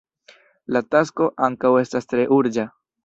La tasko ankaŭ estas tre urĝa.